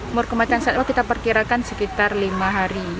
umur kematian satwa kita perkirakan sekitar lima hari